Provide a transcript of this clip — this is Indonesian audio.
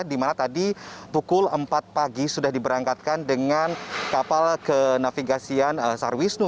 di mana tadi pukul empat pagi sudah diberangkatkan dengan kapal kenavigasian sarwisnu